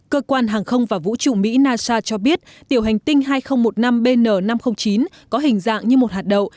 cơ quan hàng không và vũ trụ mỹ nasa cho biết tiểu hành tinh hai nghìn một mươi năm bn năm trăm linh chín có hình dạng như một hạt đậu